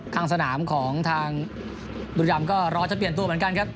ข้างสนามของทางบุรีรำก็รอจะเปลี่ยนตัวเหมือนกันครับ